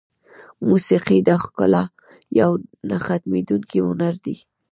موسیقي د ښکلا یو نه ختمېدونکی هنر دی.